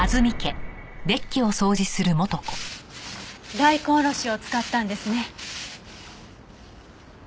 大根おろしを使ったんですね？